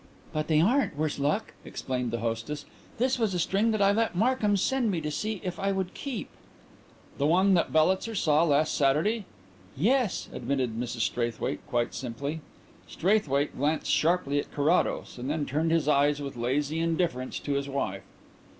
"But they aren't worse luck," explained the hostess. "This was a string that I let Markhams send me to see if I would keep." "The one that Bellitzer saw last Saturday?" "Yes," admitted Mrs Straithwaite quite simply. Straithwaite glanced sharply at Carrados and then turned his eyes with lazy indifference to his wife.